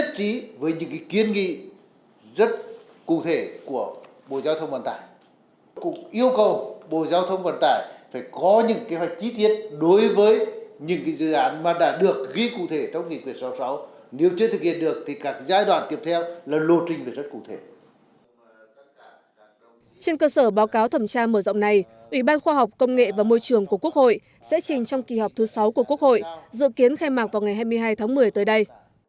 trên cơ sở báo cáo thẩm tra mở rộng này ủy ban khoa học công nghệ và môi trường của quốc hội sẽ trình trong kỳ họp thứ sáu của quốc hội dự kiến khai mạc vào ngày hai mươi hai tháng một mươi tới đây